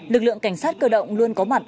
lực lượng cảnh sát cơ động luôn có mặt